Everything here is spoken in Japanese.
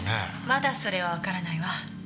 まだそれはわからないわ。